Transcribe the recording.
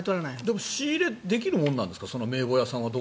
でも仕入れできるものなんですか？